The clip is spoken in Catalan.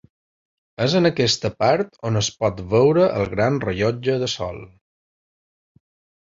És en aquesta part on es pot veure el gran rellotge de sol.